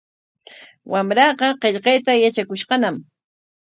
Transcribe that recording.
Wamraaqa qillqayta yatrakushqañam.